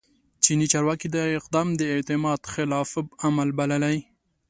چیني چارواکي دغه اقدام د اعتماد خلاف عمل بللی